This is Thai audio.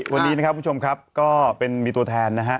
วันนี้พวกเราครับมีตัวแทนนะฮะ